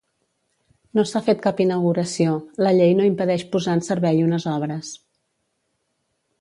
No s'ha fet cap inauguració, la llei no impedeix posar en servei unes obres.